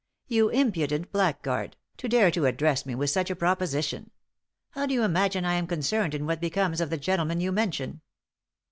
You impudent black guard, to dare to address me with such a proposition I How do you imagine I am concerned in what be comes of the gentleman you mention